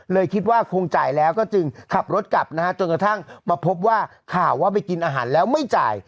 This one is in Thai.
คิดว่าคงจ่ายแล้วก็จึงขับรถกลับนะฮะจนกระทั่งมาพบว่าข่าวว่าไปกินอาหารแล้วไม่จ่าย